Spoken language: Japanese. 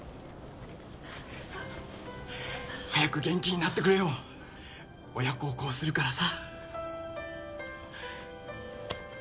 早く元気になってくれよ親孝行するからさ。